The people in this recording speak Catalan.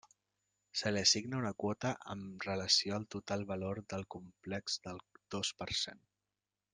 Se li assigna una quota amb relació al total valor del complex del dos per cent.